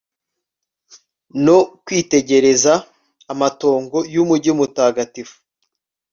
no kwitegereza amatongo y'umugi mutagatifu